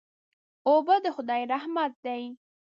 اوبه د خدای رحمت دی.